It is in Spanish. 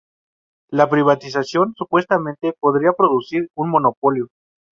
La privatización supuestamente podría producir un monopolio.